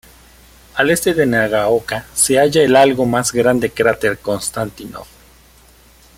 Al este de Nagaoka se halla el algo más grande cráter Konstantinov.